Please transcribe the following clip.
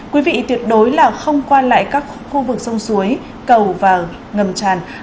quý vị tuyệt đối là không qua lại các khu vực sông suối cầu và ngầm tràn